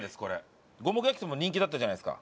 五目焼そば人気だったじゃないですか。